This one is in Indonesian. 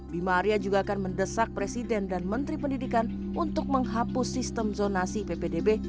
bima arya juga akan mendesak presiden dan menteri pendidikan untuk menghapus sistem zonasi ppdb